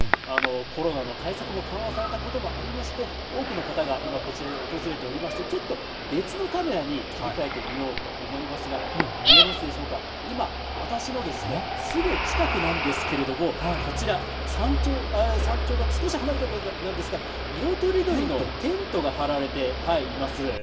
コロナの対策も緩和されたこともありまして、多くの方が今、こちらに訪れておりまして、ちょっと別のカメラに切り替えてみようと思いますが、見えますでしょうか、今、私のすぐ近くなんですけれども、こちら、山頂から少し離れた所なんですが、色とりどりのテントが張られています。